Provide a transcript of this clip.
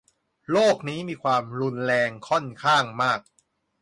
โรคนี้มีความรุนแรงค่อนข้างมาก